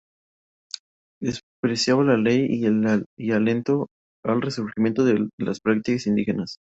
Despreciaba la ley y alentó el resurgimiento de las prácticas indígenas.